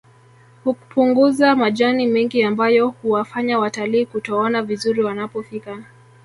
Hkupunguza majani mengi ambayo huwafanya watalii kutoona vizuri wanapofika